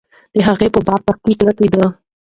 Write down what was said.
د هغې په باب تحقیق نه کېده.